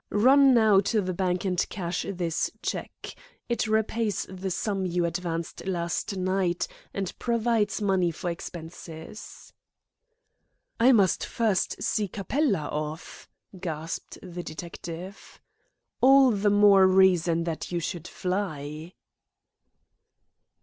Run now to the bank and cash this cheque. It repays the sum you advanced last night, and provides money for expenses." "I must first see Capella off," gasped the detective. "All the more reason that you should fly."